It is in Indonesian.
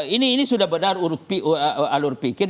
ini sudah benar alur pikir